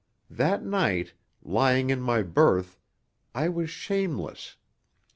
That night lying in my berth I was shameless.